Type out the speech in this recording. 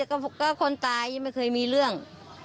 ก็คนตายยังไม่เคยมีเรื่อง